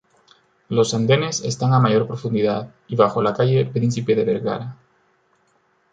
Los andenes están a mayor profundidad y bajo la calle Príncipe de Vergara.